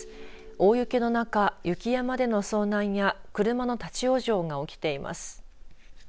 大雪の中、雪山での遭難や車の立ち往生が起きています。